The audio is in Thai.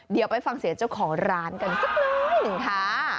เดี๋ยวไปฟังเสียเจ้าขอร้านกันสักนึงค่ะ